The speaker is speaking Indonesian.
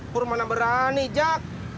pur mana berani jak